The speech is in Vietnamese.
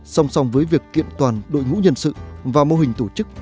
song song với việc kiện toàn đội ngũ nhân sự và mô hình tổ chức